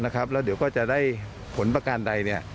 แล้วเดี๋ยวก็จะได้ผลประการใด